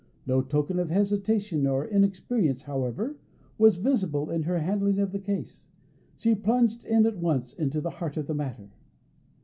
No token of hesitation or inexperience, however, was visible in her handling of the case. She plunged at once into the heart of the matter.